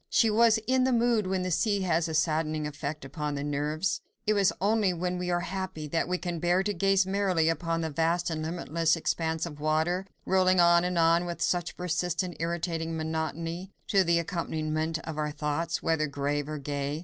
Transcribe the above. She was in the mood when the sea has a saddening effect upon the nerves. It is only when we are very happy, that we can bear to gaze merrily upon the vast and limitless expanse of water, rolling on and on with such persistent, irritating monotony, to the accompaniment of our thoughts, whether grave or gay.